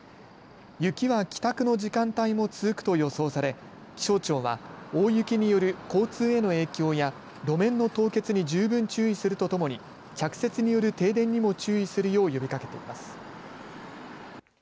雪は帰宅の時間帯も続くと予想され気象庁は大雪による交通への影響や路面の凍結に十分注意するとともに着雪による停電にも注意するよう呼びかけています。